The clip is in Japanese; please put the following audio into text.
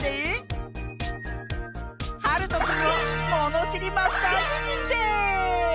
はるとくんをものしりマスターににんてい！